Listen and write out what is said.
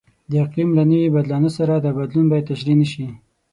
د اقلیم له نوي بدلانه سره دا بدلون باید تشریح نشي.